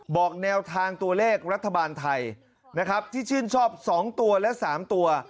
บอกแนวทางตัวเลขรัฐบาลไทยนะครับที่ชื่นชอบ๒ตัวและ๓ตัว